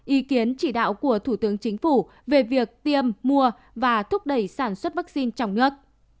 ý kiến chỉ đạo của thủ tướng chính phủ về việc tiêm mua và thúc đẩy sản xuất vaccine trong nước